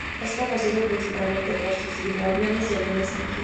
Es conocido principalmente por sus hidroaviones y aviones anfibios.